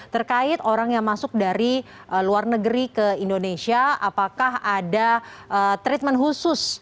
terkait orang yang masuk dari luar negeri ke indonesia apakah ada treatment khusus